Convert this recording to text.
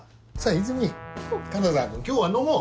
イズミ金沢君今日は飲もう！